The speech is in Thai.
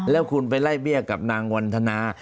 แล้วคุณไปไล่เบี้ยกับนางวันธนา